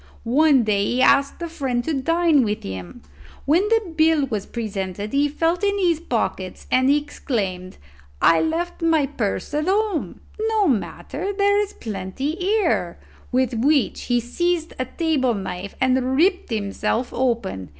One day he asked a friend to dine with him; when the bill was presented he felt in his pockets, and exclaimed, 'I left my purse at home. No matter; there is plenty here;' with which he seized a table knife and ripped himself open.